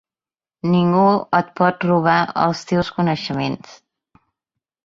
Ningú et pot robar els teus coneixements.